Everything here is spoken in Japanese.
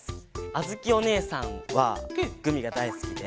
あづきおねえさんはグミがだいすきで。